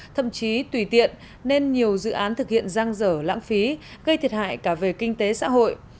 thậm chí tùy tiện nên nhiều dự án thực hiện giang dở lãng phí gây thiệt hại cả về kinh tế xã hội